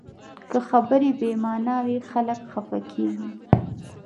که خبرې بې معنا وي، خلک خفه کېږي